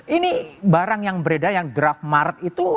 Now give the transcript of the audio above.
ini barang yang beredar yang draftmart itu